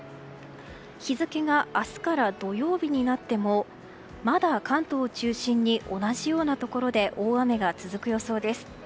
日付が明日から土曜日になってもまだ関東を中心に同じようなところで大雨が続く予想です。